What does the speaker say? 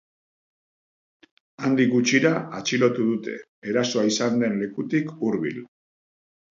Handik gutxira atxilotu dute, erasoa izan den lekutik hurbil.